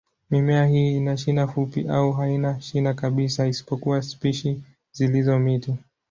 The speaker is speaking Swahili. Mimea hii ina shina fupi au haina shina kabisa, isipokuwa spishi zilizo miti.